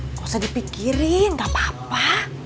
gak usah dipikirin nggak apa apa